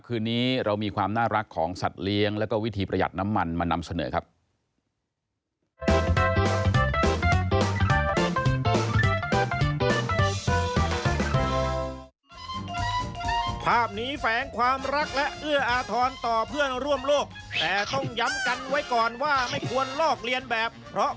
คืนนี้เรามีความน่ารักของสัตว์เลี้ยงแล้วก็วิธีประหยัดน้ำมันมานำเสนอครับ